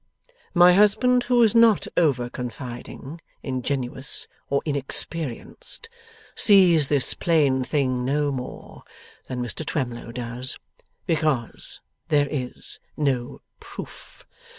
My husband, who is not over confiding, ingenuous, or inexperienced, sees this plain thing no more than Mr Twemlow does because there is no proof!